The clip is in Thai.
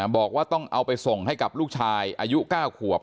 บอกว่าต้องเอาไปส่งให้กับลูกชายอายุ๙ขวบ